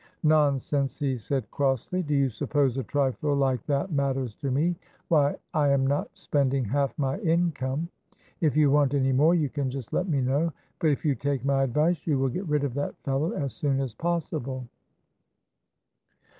"Nonsense," he said, crossly; "do you suppose a trifle like that matters to me? Why, I am not spending half my income; if you want any more you can just let me know; but if you take my advice you will get rid of that fellow as soon as possible."